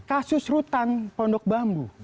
kasus rutan pondok bambu